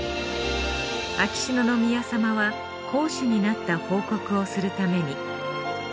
秋篠宮さまは皇嗣になった報告をするために。